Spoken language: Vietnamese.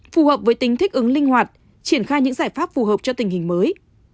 phù hợp với tính thích ứng linh hoạt triển khai những giải pháp phù hợp cho tình hình mới